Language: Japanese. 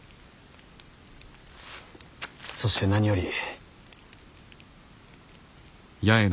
そして何より。